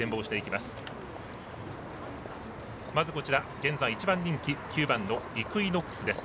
まず、現在１番人気９番のイクイノックスです。